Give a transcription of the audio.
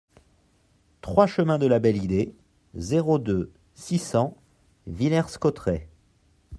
trois chemin de la Belle Idée, zéro deux, six cents Villers-Cotterêts